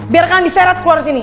biarkan diseret keluar disini